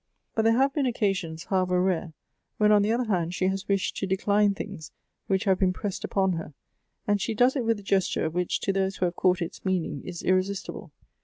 But there have been occasions, however rare, when on the other hand she has wished to decline things which have been pressed upon her, and she does it with a gesture which to those who have caught its meaning is irresistible.